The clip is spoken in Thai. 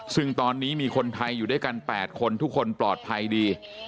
ซึ่งตอนนี้มีคนไทยอยู่ด้วยกัน๘คนทุกคนปลอดภัยดี